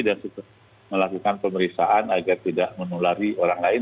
dan melakukan pemeriksaan agar tidak menulari orang lain